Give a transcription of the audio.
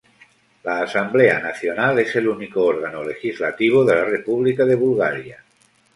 La Asamblea Nacional es el único órgano legislativo de la República de Bulgaria.